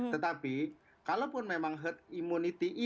tetapi kalaupun memang herd immunity ini kita akan ambil